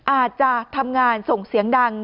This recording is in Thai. อาจจะทำงานส่งเสียงดัง